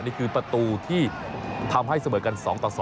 นี่คือประตูที่ทำให้เสมอกัน๒ต่อ๒